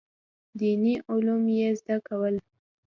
دیني علوم یې زده کول.